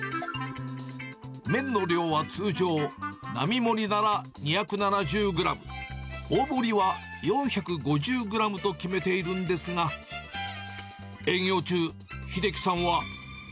麺の量は通常、並盛りなら２７０グラム、大盛りは４５０グラムと決めているんですが、営業中、英樹さんは。